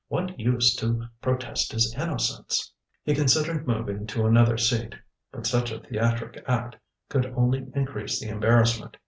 What use to protest his innocence? He considered moving to another seat. But such a theatric act could only increase the embarrassment.